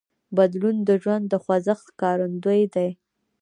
بدلون د ژوند د خوځښت ښکارندوی دی.